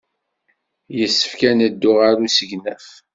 Yessefk ad neddu ɣer usegnaf.